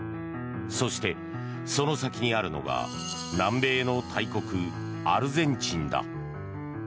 そして、その先にあるのが南米の大国アルゼンチンだ。